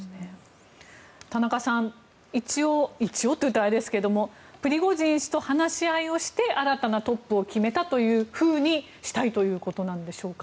田中さん、一応一応と言ったらあれですがプリゴジン氏と話し合いをして新たなトップを決めたというふうにしたいということなんでしょうか。